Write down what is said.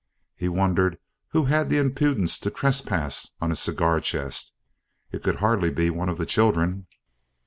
He wondered who had the impudence to trespass on his cigar chest; it could hardly be one of the children.